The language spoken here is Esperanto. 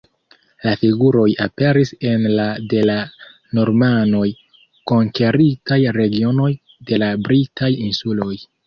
La figuroj aperis en la de la Normanoj konkeritaj regionoj de la Britaj Insuloj.